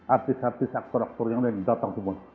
artis artis aktor aktor yang lain datang semua